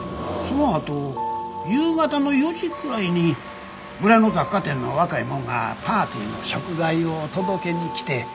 そのあと夕方の４時くらいに村の雑貨店の若いもんがパーティーの食材を届けに来て。